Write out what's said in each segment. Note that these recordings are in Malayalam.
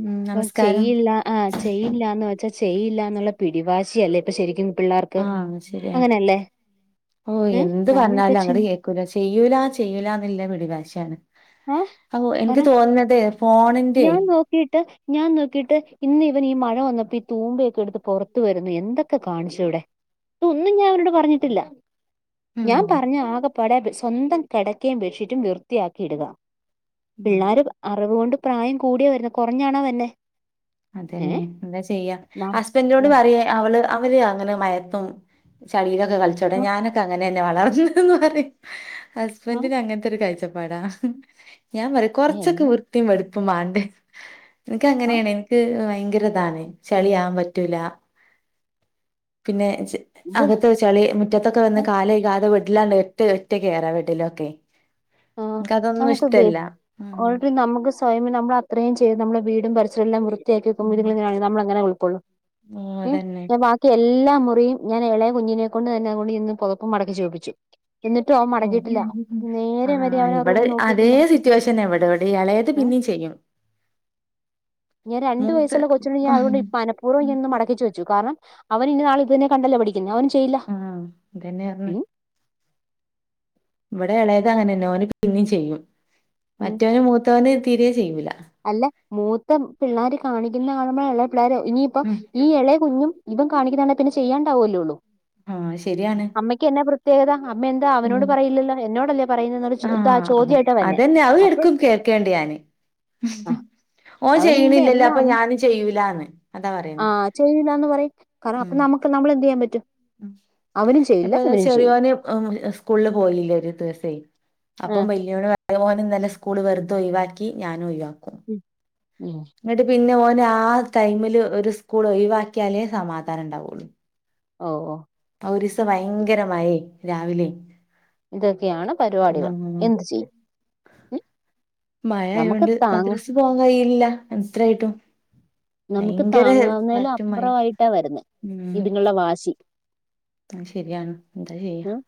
ഉം അപ്പ നമസ്കാരം ചെയ്യില്ല ആഹ് ചെയ്യില്ലാന്ന് വെച്ചാൽ ചെയ്യില്ലാന്നുള്ള പിടിവാശിയല്ലേ ഇപ്പൊ ശരിക്കും. പിള്ളേർക്ക് ആഹ് ശരിയാ അങ്ങനെല്ലേ ഏഹ്, നമ്മളൊക്കെ ചി ക്കൂല ചെയ്യൂല ചെയ്യൂല എന്നുള്ള പിടിവാശി ആണ്, ആ അപ്പൊ പറ എനിക്ക് തോന്നുന്നത് ഫോണിന്റെ ഞാൻ നോ ക്കിയിട്ട് ഞാൻ നോക്കിയിട്ട് ഇന്ന് ഇവന് ഈ മഴ വന്നപ്പോ ഈ തൂമ്പ ഒക്കെ എടുത്ത് പുറത്തു വരുന്നു എന്തൊ ക്കെ കാണിച്ചു ഇവിടെ ഇന്ന് ഒന്നും ഞാൻ അവനോട് പറഞ്ഞിട്ടില്ല. ഉം ഞാൻ പറഞ്ഞ ആകെപ്പാടെ സ്വന്തം കിടക്കയും ബെഡ്ഷീറ്റും വൃത്തിയാക്കി ഇടുക. ഉം പിള്ളേര് അറിവ് കൊണ്ട് പ്രായം കൂടിയ വര്ണെ കുറഞ്ഞാണോ വര്ണെ അതന്നെ എന്താ ചെയ്യ, ഹസ്ബൻഡിനോട് ആ പറയാ അവള് അവര് അങ്ങനെ മഴത്തും ചളിയിലൊക്കെ കളിച്ചോട്ടെ ഞാനൊക്കെ അങ്ങനെ തന്നെ വളർന്നന്ന് പറയും ആ ഹസ്ബന്റിന് അങ്ങൻത്തൊരു കാഴ്ചപ്പാടാ ഹ് ഹ് ഞാൻ പറയും കുറച്ചൊക്കെ എന്നെ വൃത്തിയും വെടുപ്പും വാണ്ടേ ഇൻക്ക് ആ അങ്ങനെയാണ്. ഇൻക്ക് ഭയങ്കര ഇതാണ് ചളിയാവാൻ പറ്റൂല. പിന്നെ ചെ ഇത് അകത്തെ ചളി മുറ്റത്തൊക്കെ വന്ന് കാല് കഴുകാതെ ബെഡ്ഡ്ലാണ്ട് ഒക്കെ ഒറ്റ കേറാ ബെഡ്ഡ്ലൊക്കെ. ആഹ്, നമുക്ക് ഒക്കെ ഓൾ ആഹ് റെഡി നമുക്ക് സ്വയം നമ്മള് അത്രയും ചെയ്തു നമ്മളെ വീടും പരിസരം എല്ലാം വൃത്തിയാക്കി വെക്കുമ്പോൾ ഉം ഇതിങ്ങൾ ഇങ്ങനെ ആയ നമ്മളെങ്ങനെ ഉൾകൊള്ളും. ഓഹ് ഉം, അതന്നെ [unintelligible] മറ്റ് എല്ലാ മുറിയും ഞാൻ ഇളയ കുഞ്ഞിനെ കൊണ്ട് തന്നെ [unintelligible] ഇരുന്ന് പുതപ്പും മടക്കി വെപ്പിച്ചു. എന്നിട്ടും അവൻ മടക്കിയിട്ടില്ല, നേ ആഹ്, ഇബടെ അതേ സിറ്റുവേഷൻ തന്നെ ഇവിടെ, ഇവിടെ ഇളയത് ഏഹ് പിന്നെയും ചെയ്യും. ഞാൻ രണ്ട് മൂത്ത് വയസ്സുള്ള കൊച്ച്നോട്‌ ഞാൻ ആഹ് അതുകൊണ്ട് മനപ്പൂർവം എന്നു മടക്കി വെപ്പിച്ചു കാരണം അവന് ഇനി നാളെ ഇത് തന്നെ കണ്ടല്ലേ പഠിക്കുന്നത്, അവൻ ചെയ്യില്ല. ആഹ്, അതന്നെ പറഞ്ഞ്. ഉം ഇവിടെ ഇളയത് അങ്ങനെന്നെ ഓന് പിന്നിം ചെയ്യും, ഉം മറ്റവന് മൂത്തവന് തീരെ ചെയ്യൂല. അല്ല മൂത്ത പിള്ളാര് കാണിക്കുന്ന കാണുമ്പോഴാ എല്ലാ പിള്ളേര് ഇനിയിപ്പം ഉം ഈ ഇളയ കുഞ്ഞും ഇവൻ കാണിക്കുന്നതണ്ടെ പിന്നെ ചെയ്യാണ്ടാവുല്ലോള്ളു ആഹ് ശരിയാണ് അമ്മയ്ക്ക് എന്നെ പ്ര ത്യേകത അമ്മ എന്താ അവനോട് ഉം പറയില്ലല്ലോ എന്നോടല്ലേ പറയുന്നൊരു ഇതാ ആ ചോദ്യമായിട്ടാ വരുന്നെ അപ്പൊ ക്കേണ്ട് ഞാന് ഓൻ അവനെന്റെ ചെയ്യണില്ലല്ലോ അപ്പൊ എല്ലാം ഞാനും ചെയ്യൂലാന്ന് അതാ പറയല് ഉം അപ്പം നമ്മള് എന്ത് ചെയ്യാൻ പറ്റും ഉം അവനും ചെയ്യില്ല ഇപ്പൊ ഇതാ ഇവനും ചെയ്യില്ല ചെറിയോന് സ്കൂളിൽ പോയില്ലേ ഒരു ദിവസം ആ അപ്പം വല്യോന് പറയ ഓന് ഇന്നലെ സ്കൂള് വെറുതെ ഒഴിവാക്കി ഞാനും ഒഴിവാക്കും ഉം എന്നിട്ട് പിന്നെ ഓന് ആ ടൈമില് ഒരു സ്കൂൾ ഒഴിവാക്കിയാലേ സമാധാനം ഉണ്ടാവുള്ളൂ ഓഹ് ഓഹ് ഒരിസം ഭയങ്കര മായേ രാവിലെ ഇതൊക്കെയാണ് പരി ആഹ് മഴ നമുക്ക് ആയൊണ്ട് താങ്ങ മദ്രസ് ഇൻക്ക് പോവാാൻ കഴിയില്ല എത്രായിട്ടും നമുക്ക് ഭയങ്കര താങ്ങാവുന്നതിലും കാറ്റും മഴിം ഉം ഉള്ള വാശി ശരിയാണ് എന്താ ചെയ്യ ഉം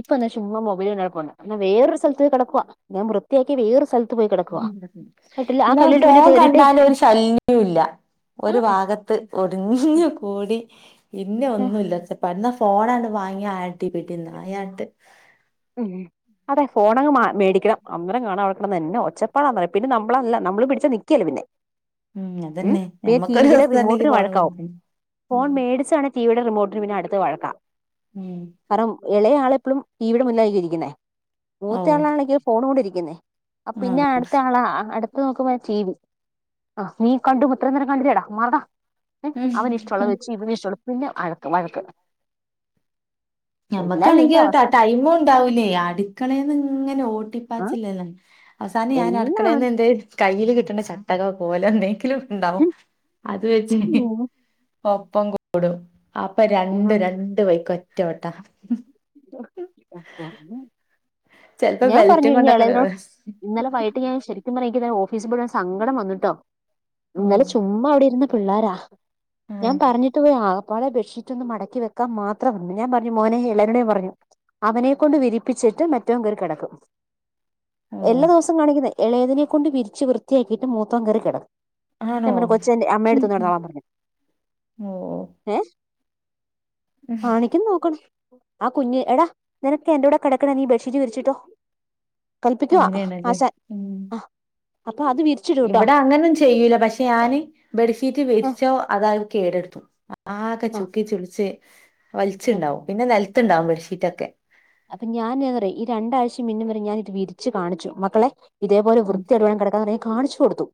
ഇപ്പൊ എന്നാ ചുമ്മാ മൊബെലും കണ്ട് കിടക്കുവാ എന്ന വേറൊരു സ്ഥലത്ത് കിടക്കുക ഞാൻ വൃത്തിയാക്കി വേറൊരു സ്ഥലത്ത്- പോയി കിടക്കുവാ കേട്ടില്ല ആ എന്നാ കള്ളിയുടെ പിന്നെ ഫോൺ കേറിയിട്ടേ കണ്ടാല് ഒരു ശല്യവും ഇല്ല ആ ഒരു ഭാഗത്ത് ഒതുങ്ങി കൂടി പിന്നെ ആ ഒന്നുല്ല പ- ഫോണാണ്ട് വാങ്ങിയ ആടി പിടി നായാട്ട് [inaudible] അതെ ഫോൺ അങ്ങ് മേടിക്കണം അന്നരം കാണാം അവിടെ കിടന്ന് എന്നാ ഒച്ചപ്പാടാ പിന്നെ നമ്മളല്ല നമ്മള് പിടിച്ചാ നിക്കിയേല പിന്നെ ഉം അതന്നെ പിന്നെ ഞമ്മക്കൊരു ടിവിയുടെ ദിവസം തന്നെക്ക് റിമോട്ടിന് ഫോണ് വഴക്കാവും കൊടുക്കണം ഫോൺ ഉം മേടിച്ചാണെ- ടി വി യുടെ റിമോട്ടിന് പിന്നെ അടുത്ത വഴക്കാ ഉം കാരണം ഇളയ ആള് എപ്പോഴും ടിവിടെ മുന്നെ ഇരിക്കുന്നേ ഓ മൂത്ത ആളാണങ്കി ഫോൺ കൊണ്ടിരിക്കുന്നേ അപ്പം ആഹ് പിന്നെ അടുത്ത ആളാ അടുത്ത അത് നോക്കുമ്പ ടിവി ആ നീ കണ്ടും ഇത്രയും നേരം കണ്ടില്ലേടാ മറടാ ഏഹ് അവൻ ഇഷ്ട- ഇഷ്ടമുള്ളത് വച്ച് ഇവന് ഇഷ്ടമു പിന്നെ വഴക്ക് എല്ലാ ഞമ്മക്കാണെങ്കിൽ വീടിന്റെ അവസ്ഥ ടൈമും ണ്ടാവൂലേ അടുക്കളന്ന് ഇങ്ങനെ ആ ഓട്ടിപ്പാച്ചിലല്ലേ അവസാനം ഞാൻ എല്ലാം അടുക്കളന്ന് എ കയ്യില് കിട്ടണ ചട്ടകോ കോലോ എന്തെങ്കിലും ഉണ്ടാവും അത് വെച്ച് ഒപ്പം കൂടും അപ്പൊ രണ്ടും രണ്ട് വഴിക്ക് ഒറ്റ ഓട്ട [unintelligible] ചെലപ്പോ ഞാൻ പറഞ്ഞു ബെൽറ്റും ഇനി കൊണ്ടൊക്കെ ഇളയതിതിനോട് ഇന്നലെ വൈകിട്ട് ഞാൻ ശരിക്കും സത്യ പറ എനിക്ക് ഇന്നലെ ഓഫീസിൽ പോയിട്ട് സങ്കടം വന്നിട്ടോ ഇന്നലെ ഉം ചുമ്മാ അവിടെ ഇരുന്ന പിള്ളാരാ ഞാൻ ഉം പറഞ്ഞിട്ട് പോയാ ആകപ്പാടെ ബെഡ്ഷീറ്റ് റ്റൊന്നു മടക്കി വെക്കാ മാത്രമന്ന് ഞാൻ പറഞ്ഞു മോനെ എളയവനേട് ഞാൻ പറഞ്ഞു അവനെക്കെണ്ട് വിരിപ്പിച്ചിട്ട് മറ്റവൻ കേറി കിടക്കും ഓ എല്ലാ ദിവസവും കാണിക്കുന്നയാ ഇളയതിനെ കൊണ്ട് വിരിച്ച് വൃത്തിയാക്കിയിട്ട് മൂത്തവൻ കേറി കിടക്കും ഞാൻ ആണോ പറഞ്ഞു കൊച്ച് അമ്മയുടെ ഉം അടുത്ത് വന്ന് ഉം. കിടന്നോളാൻ പറഞ്ഞു ഓ ഏഹ് കാണിക്കുന്ന നോക്കണം ആ കുഞ്ഞ് എടാ നിനക്കെ എന്റെറ കൂടെ കിടക്കണ നീ ബെഡ്ഷീറ്റ് വിരിച്ചിട്ട് ട്ടോ കൽപ്പിക്കുവാ അങ്ങനെയാണല്ലേ ആശാൻ ആ അപ്പൊ അത് വിരി ഇവടെ അങ്ങനെന്നും ചെയ്യൂല പക്ഷെ ഞാന് ബെഡ്ഷീറ്റ് ആ വിര്ച്ചോ അത് അവൻ കേടെട്ത്തും ആകെ ആ ചുക്കി ചുൾച്ച് ആ വൽച്ച്ണ്ടാവും പിന്നെ നെൽത്ത്ണ്ടാവും ബെഡ്ഷീറ്റൊക്കെ അപ്പൊ ഞാൻ എന്താ പറയാ ഈ രണ്ടാഴ്ചയും മിന്നും വരെ ഞാൻ ഇത് വിരിച്ച് കാണിച്ചു മക്കളെ ഇതേപോലെ ഉം വൃത്തിയായിട്ട് വേണം കെടക്കാൻ എന്ന് പറഞ്ഞു ഞാൻ കാണിച്ചു കൊടുത്തു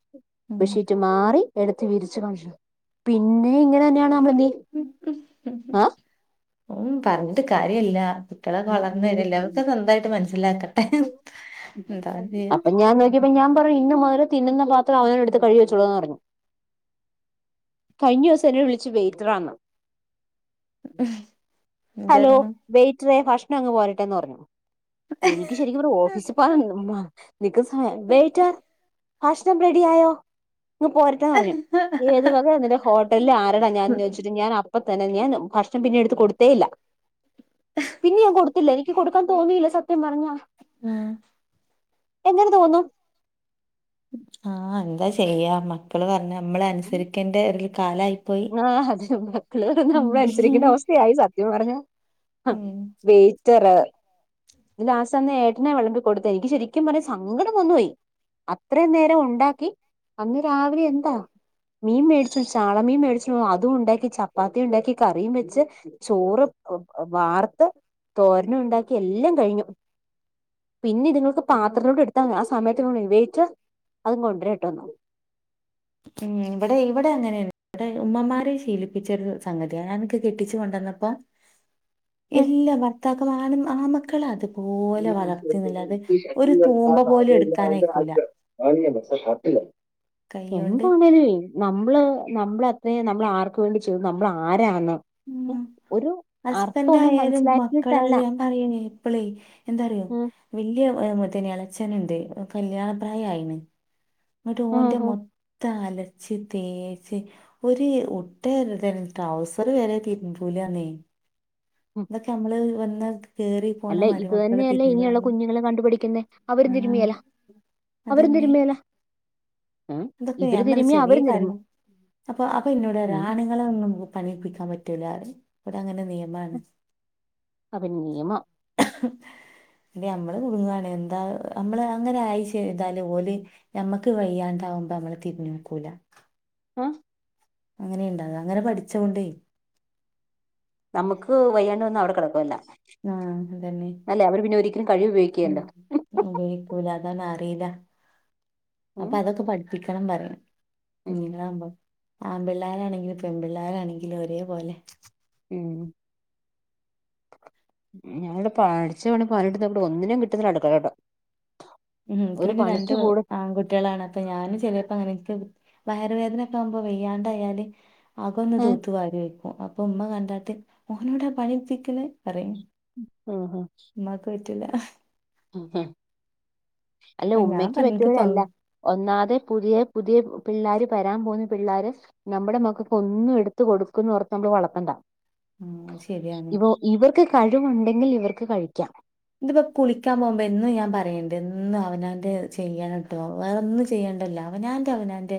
ഉം ബെഡ് ഷീറ്റും മാറി എടുത്ത് വിരിച്ച് കാണിച്ചു പിന്നേം ഇങ്ങനെ തന്നെയാണ് നമ്മള് എന്ത് ചെയ്യും ഉം പറഞ്ഞിട്ട് കാര്യല്ല കുട്ടികളൊക്കെ വളർന്നു വരല്ലേ അതൊക്കെ സ്വന്തായിട്ട് മനസ്സിലാക്കട്ടെ എന്താ ചെയ്യാ ഇനി ഇപ്പ ഞാൻ പറയും ഇന്ന് മുതൽ തിന്നുന്ന പത്രം അവനവൻ എടുത്ത് കഴികിവച്ചുളു പറഞ്ഞു കഴിഞ്ഞ ദിവസം എന്നെ വിളിച്ച് വെയിറ്ററാന്ന് ഹലോ എന്തായിരുന്നു വെയിറ്ററെ ഭക്ഷണം ഇങ്ങ് പോരട്ടെന്ന് പറഞ്ഞു എനിക്ക് ശരിക്കും പറഞ്ഞാ ഓഫീസി പോവാൻ മാ നിക്കുന്ന സമയം വെയിറ്റർ ഭക്ഷണം റെഡി ആയോ ഇങ്ങ് പോരട്ട് രട്ടെ പറഞ്ഞു ഏത് വകയാ നിന്റെ ഹോട്ടലിൽ ആരട ഞാന്ന് വെച്ചിട്ട് ഞാൻ അപ് അപ്പ തന്നെ ഞാൻ ഭക്ഷണം പിന്നെ എടുത്ത് കൊടുത്തേയില്ല പിന്നെ ഞാൻ കൊടുത്തില്ല എനിക്ക് കൊടുക്കാൻ തോന്നിയില്ല സത്യം പറഞ്ഞാ ഉം എങ്ങനെ തോന്നും ആ എന്താ ചെയ്യാ മക് ഇപ്പള് പർഞ്ഞ നമ്മള് അനുസരിക്കേണ്ട ഒരു കാലായി പോയി ആഹ് യായി സത്യം പറഞ്ഞ ഉം വെയ്റ്ററ് ലാസ്റ്റ് അന്ന് ഏട്ടനാ വിളമ്പി കൊടുത്തെ എനിക്ക് ശരിക്കും പറഞ്ഞാ സങ്കടം വന്നു പോയി അത്രയും നേരം ഉണ്ടാക്കി അന്ന് രാവിലെ എന്താ മീൻ മേടിച്ചു ചാള മീൻ മേടിച്ചു അതും ഉണ്ടാക്കി ചപ്പാത്തി ഉണ്ടാക്കി കറിയും വെച്ച് ചോറ് വ വ വാർത്ത് തോരനും ഉണ്ടാക്കി എല്ലാം കഴിഞ്ഞു പിന്നെ ഇതുങ്ങക്ക് പാത്രത്തിലോട്ട് എടുത്താ മതി ആ സമയത്ത്ഇവൻ പറഞ്ഞു വെയ്റ്റർ അത് ഇങ്ങ് കൊണ്ട്രേട്ടോന്ന് ഉം ഇവിടെ ഇവിടെ അങ്ങനെയ ഇവിടെ ഉമ്മമാരെ ശീലിപ്പിച്ചൊരു സംഗതിയാണ് ഞാനൊക്കേ കെട്ടിച്ച് കൊണ്ടന്നപ്പോ [inaudible] ഇല്ലാ ഭർത്താക്കമാർ ആണ് ആമക്കളാ അത് ഇത് പോലെ വളർത്തിന്നല്ലാതെ ഒരു തൂമ്പ പോലും എടുക്കാനായ്ക്കൂല കൈയ്യോണ്ട് എന്താണേലൊയ് നമ്മള് നമ്മൾ അത്രയും നമ്മൾ ആർക്ക് വേണ്ടി ചെയ്തു നമ്മള് ആരാന്ന് ഉം ഒരു അർത്ഥ ഒന്നും മനസ്സിലാക്കീട്ടല്ല പറയ്ണേ ഇപ്പളേയ് എന്താറിയോ വല്ല്യ ഏ മുത്തന് എളച്ചന്ണ്ട് കല്യാണ പ്രായ ആയിണ് എന്നിട്ട് ഉം ഓന്റെ ഉം മൊത്തം അലച്ച് തേച്ച് ഒരു ഉട്ട ട്രൗസർ വരെ തിരുമ്പുലാന്നേയ് ഇതൊക്കെ അമ്മള് വന്ന അല്ലെ ഇത് തന്നെയല്ലേ ഇനിയുള്ള കുഞ്ഞുങ്ങളും കണ്ടുപിഠിക്കുന്നേ അവരും ആഹ് തിരുമ്മേലാ അവരും അതന്നെ തിരുമ്മേലാ ഇതൊക്കെ ഞാൻ പറയ ചെറിയ അവരും തിരുമ്മും കാര്യങ്ങള് അപ്പൊ അപ്പ എന്നോട് പറയ ഉം ആണ് ങ്ങളേ ഒന്നും പണിയെടുപ്പിക്കാൻ പറ്റൂലാ പറയും ഇവ്ടെ അങ്ങനെ നിയ അപ്പ നിയമം ഇത് അമ്മള് കുടുങ്ങാണ് എന്താ അമ്മള് അങ്ങനെ ആയി ചെയ്താല് ഓല് ഞമ്മക്ക് വയ്യാണ്ടാവുമ്പോ അമ്മളെ തിര്ഞ്ഞോക്കൂലാ ആഹ് അങ്ങനെയുണ്ട അങ്ങനെ പഠിച്ചാേണ്ടെയ് നമുക്ക് വയ്യാണ്ട് വന്ന അവ്ടെ കെടക്കുവെല്ലാം ആഹ് അതന്നെ അല്ലേ അവര് പിന്നെ ഒരിക്കലും കഴുകി ഉം ഉപയോഗിക്ക്യല്ല ഉപയോഗിക്കൂല അതാന്നറീല്ല ഉം അപ്പൊ അതൊക്കെ പഠിപ്പിക്കണം പറയ ഉം കുഞ്ഞ്ങ്ങളാകുമ്പം ആമ്പിള്ളേരാണെങ്കിലും പെൺപിള്ളേരാണെങ്കിലും ഒരേപോലെ ഉം ഞാനിവിടെ പാഠ്ച്ച പണി പതിനെട്ടു നോക്കീട്ട് ഒന്നിനെം കിട്ട്ന്നില്ല അടുക്കളലോട്ട് ഉം ഇൻക്ക് പിന്നെ രണ്ട് കൂടെ ആങ്കുട്ട്യാളാണ് അപ്പ ഞാനും ചെലേപ്പോ അങ്ങനെ ഇൻക്ക് വയറ് വേദനക്കെ ആവുമ്പോ വെയ്യാണ്ടായാല് അകൊന്ന് ഏഹ് തോത്തും വാരി വെക്കും അപ്പൊ ഉമ്മ കണ്ടാട്ട് മോനോടാ പണി ഇട്പ്പിക്ക്ണ് അറിം ഉം ഉം ഉമ്മാക്ക് പറ്റില്ല ഉം അല്ല ഞാൻ ഉമ്മക്ക് പറഞ്ഞ് എനിക്ക് പ പറ്റൂലല്ല ഒന്നാത് പുതിയ പുതിയ പിള്ളാര് വരാൻ പോകുന്ന പിള്ളാര് നമ്മടെ മക്കക്കഒന്നും എട്ത്ത് കൊടുക്കുന്ന് ഓർത്ത് നമ്മള് വളർത്തണ്ട ഉം ശരിയാണ് ഇവ ഇവർക്ക് കഴിവുണ്ടെങ്കിൽ ഇവർക്ക് കഴിക്കാം ഇത്പ്പോ കുളിക്കാൻ പോവുമ്പോ എന്നും ഞാൻ പറയണ്ട് എന്നും അവനാന്റെ ചെയ്യണം വേറൊന്നും ചെയ്യേണ്ടല്ലോ അവനാന്റെ അവനാന്റെ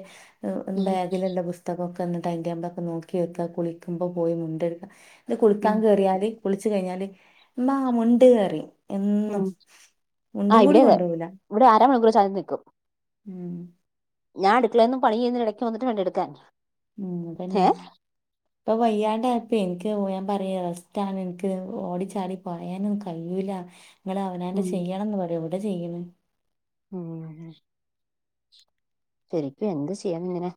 ഉം ബാഗില്ള്ള പുസ് തകക്കെന്ന്‌ ടൈം ടേബ്ളൊക്കെ നോക്കി വെക്കാ കുളിക്കുമ്പോൾ പോയി മുണ്ടെട്ക്ക ഇത് ഉം കുളിക്കാൻ കേറിയാല് കുളിച്ച് കഴിഞ്ഞാല് ഇമ്മാ മുണ്ട് അറിം എന്നും ഉം മുണ്ടും ആഹ് കൂടി ഇവിടെ അതെ കൊണ്ടാേവൂല്ല ഇവിടെ അര മണിക്കൂറ് ചതംന്ന്ക്കും ഉം ഞാൻ അടുക്കളേന്ന് പണിചെയ്യ്ന്നീന്റെ എടയ്ക്ക് വന്ന്ട്ട് വേണ്ടെ എട്ക്കാൻ ഉം ഇതന്നെ ഇപ്പൊ വയ്യാണ്ട ആയപ്പെ ഇൻക്ക് ഞാപറയൊ റസ്റ്റാആണ് ഇൻക്ക് ഓടിച്ചാടി പായാനൊന്നും കഴിയൂല്ല നിങ്ങള് അവനാന്റെ ഉം ചെയ്യണംന്ന് പറയും എവ്ടെ ചെയ്യ്ണ് ഉ ശരിക്കും എന്ത് ചെയ്യണം ഇങ്ങനെ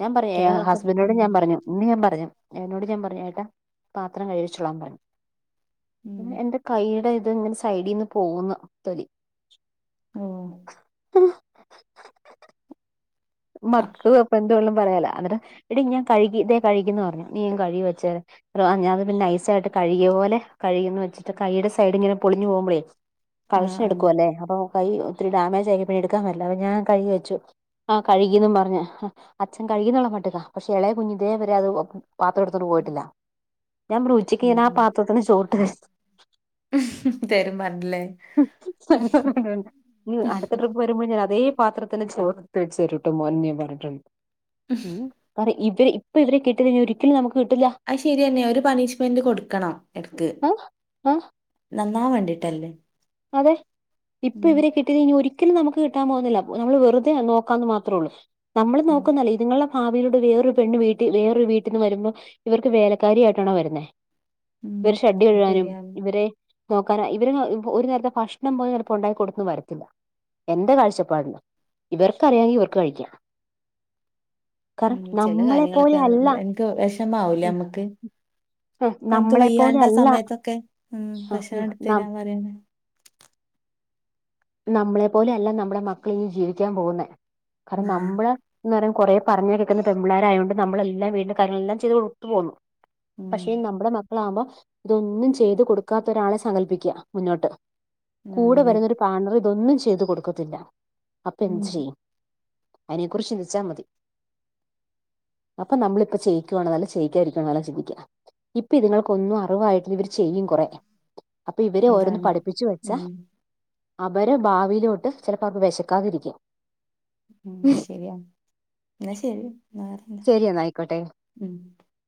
ഞാൻ പറയേ ഹ കുട്ടികളതൊക്കെ ഹസ്ബന്റ് ഉം നോടും ഞാൻ പറഞ്ഞു ഇന്ന് ഞാൻ പറഞ്ഞു എന്നോട് ഇന്ന്ഞാൻ ന്ന് ഞാൻപറഞ്ഞു എട്ടനോട് ഞാൻ പറഞ്ഞു എട്ടാ പാത്രം കഴ്കി വച്ചോളാൻ പറഞ്ഞു ഉം പിന്നെ എന്റെ കൈയ്യ്ടെ ഇത് ഇങ്ങനെ സൈഡീന്ന് പോവുന്നു തൊലി [inaudible] ഓഹ് [unintelligible] മക്കള് അപ്പൊ എന്തുകൊള്ളും പറയാലാ അന്നട്ട് എടീ ഞാൻ കഴ്കി ഇതേ കഴ്കിന്ന് പറഞ്ഞു നീ എൻ കഴ്കി വെച്ചേര് ബ്രോ ആ ഞാൻഅത് പിന്നെ നൈസായിട്ട് കഴ്കിയ പോലെ കഴുകീന്ന് വച്ചിട്ട് കൈയ്യ്ടെ സൈഡ് ഇങ്ങനെ പൊളിഞ്ഞു പോവുമ്പളെ പോകുമ്പോളേ ആഹ് കളക്ഷൻ ആഹ് എടുക്കുവല്ലേ അപ്പൊ കൈ ഒത്തിരി ഡാമേജ് ആയി പിന്നെ എട്ക്കാൻ പറ്റ്ല അപ്പ ഞാൻ കഴ്കി വെച്ചു ആഹ് കഴുകീന്നും പറഞ് അച്ഛൻ കഴ്കിന്ന്ള്ള മട്ടിലാപക്ഷെ എളയ കുഞ് ഇതേ വരെ അത് ഒപ് പാത്രം എടുത്തോണ്ട് പോയിട്ടില്ല ഞാൻ പർഞ്ഞു ഉച്ചക് ഞാനാ ആ ഉം പാത്രത്ത്ന്ന് ചോറ് ഇട്ട് തരും തരും പറഞ്ഞില്ലേ ഇഞ് അട്ത്ത ട്രിപ്പ് ‌വരുമ്പഴും ഞാന് അതേ പാത്രത്ത്ല് ചോറ് ഇട്ത്ത് വേച്ചരുട്ടൊ മോനേന്ന് പറഞ്ഞിട്ടുണ്ട് ഉ പറി ഇവര് ഇപ്പ ഇവരെ കിട്ടികഴ്ഞ്ഞാ ഒരിക്കലും നമുക്ക് കിട്ടില്ല അത് ശെരിയെന്നെ ഒരു പണിഷ്മെന്റ് കൊടുക്കണം എട്ക്ക് ആഹ് ആഹ് നന്നാവാൻ വേണ്ടീട്ടല്ലേ അതെ ഇപ്പൊ ഇവരെ കിട്ടി ട്ടി ഇഞ് ഒരിക്കലും നമുക്ക് കിട്ടാൻ പോകുന്നില്ല നമ്മൾ വെറുതെ നോക്കാന്ന് മാത്രൊള്ളൂ നമ്മള് ഉം നേക്കൊന്നല്ല. ഇത്‌ നിങ്ങളെ ഭവിയിലോട്ട് വേറെരു പെണ്ണ്‌വീട്ടി വേറൊര് വീട്ട്ന്ന് വരുമ്പൊ ഇവർക്ക് വേലക്കാരിയായിട്ടാണോ വരുന്നെ ഉം ഇവരെ ഷഡ്ഡി കഴുകാനും ശരിയാണ് ഇവരെ നോക്കാനും ഇവരങ്ങ് ഇവ് ഒരു നേരത്തെ ഭക്ഷണം പോലും ചെലപ്പൊ ഉണ്ടാക്കി കൊട്ത്തെന്ന് വരത്തില്ല എന്റ കാഴ്ചപാട്ന് ഇവർക്കറിയാങ്കി ഇവർക്ക് കഴിക്കാം ഉം കാരണം ചെല നമ്മളെ പോലെ കാര്യങ്ങളൊക്കെ അല്ല ഭയൻങ്ക് വെഷമാവുല്ലേ ഞമ്മക്ക് ആഹ് നമുക്ക് നമ്മളെപ്പോലെ വയ്യാണ്ട ആ അല്ല സമയത്തൊക്കെ ഉം ആഹ് ഉം ഭക്ഷണം നം എട്ത്തെരാൻ പറ്യെന്നെ നമ്മളെ പോലെ അല്ല നമ്മടെ മക്കൾ ഇനി ജീവിക്കാൻ പോകുന്നേ കാരണം ഉം നമ്മള് ന്ന് പറഞ്ഞാ കൊറേ പറഞാ കോക്ക്‌ന്ന പെണ്ണ് മ്പിള്ളാരായോണ്ട് നമ്മ്ള് എല്ലം വീട്ടിന്റെ കാര്യങ്ങളെല്ലാം ചെയ്ത് കൊട്ത്തു പോന്നു ഉം പക്ഷേ നമ്മ്ടെ മക്കളാവ്മ്പോ ഇതൊന്നും ചെയ്ത് കൊടുക്കാത്ത ഒരാളെ സങ്കൽപിക്ക്യാ മുന്നോട്ട് കൂടെ ആണ് വരുന്നൊരു പാട്ണറ് ഇതൊന്നും ചെയ്തു കൊടുക്കത്തില്ല അപ്പൊ ഉം എന്ത് ചെയ്യും അയ്നെക്കുറിച്ച് ചിന്തിച്ചാമതി അപ്പൊ നമ്മളിപ്പോ ചെയ്യിക്കുവാണോ അല്ല ചെയിക്കാതിരിക്ക്‌ന്നാണോ ചിന്തിക്ക്യ ഇപ്പൊ ഇതുങ്ങൾക്ക് ഒന്നും അറിവായിട്ടില്ല ഇവര് ചെയ്യും കൊറേഒക്കെ അപ്പൊ ഇവരെ ഓരോന്ന് അതാണ് പഠിപ്പിച്ചു വെച്ചാ ഉം അവരെ ഭാവിയിലോട്ട് ചെലപ്പോ അവർക്ക് വെശക്കാതിരിക്ക്യും ഉം ഉം ശരിയാണ് ഇന്നാ ശരി ഇന്നാ വേറെ എന്താ ശരി എന്നാ ആയിക്കോട്ടെ ഉം